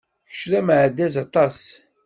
Kečč d ameɛdaz aṭas!